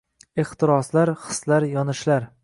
Ehtiroslar, hislar, yonishlar